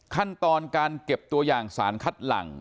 ขั้นตอนการเก็บตัวอย่างสารคัดหลัง